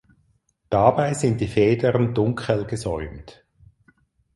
Dabei sind die Federn dunkel gesäumt.